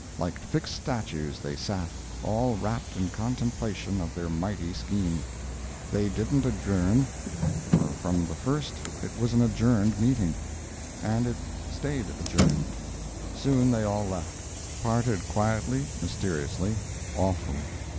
Like fixed statues they sat, all wrapped in contemplation of their mighty scheme. They didn't adjourn, for from the first it was an adjourned meeting, and it staid adjourned. Soon they all left—parted quietly, mysteriously, awfully.